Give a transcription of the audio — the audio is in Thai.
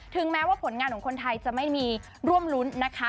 แม้ว่าผลงานของคนไทยจะไม่มีร่วมรุ้นนะคะ